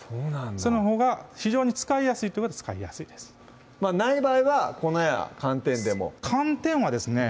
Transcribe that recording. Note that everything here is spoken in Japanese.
そのほうが非常に使いやすいということで使いやすいですない場合は粉や寒天でも寒天はですね